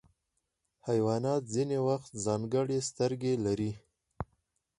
حیوانات ځینې وختونه ځانګړي سترګې لري.